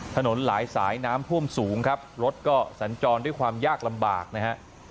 ถนนหลายสายน้ำท่วมสูงครับรถก็สัญจรด้วยความยากลำบากนะครับ